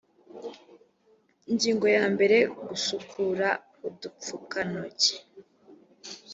ingingo ya mbere gusukura udupfukantoki